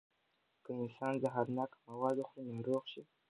که انسان زهرناکه مواد وخوري، ناروغ شي.